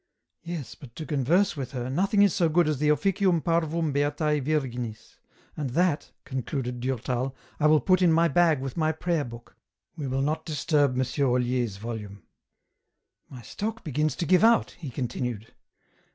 Yes, but to converse with Her nothing is so good as the ' Officium parvum beatae Virginis,' and that," concluded Durtal, "I will put in my bag with my Prayer book ; we will not disturb M. Olier's volume." EN ROUTE. 137 " My stock begins to give out," he continued.